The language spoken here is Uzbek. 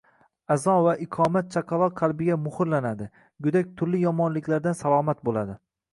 Azon va iqomat chaqaloq qalbiga muhrlanadi, go‘dak turli yomonliklardan salomat bo‘ladi.